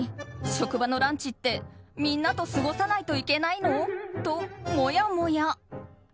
職場のランチってみんなと過ごさないといけないのともやもや。